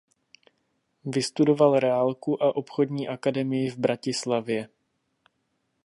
Vystudoval reálku a obchodní akademii v Bratislavě.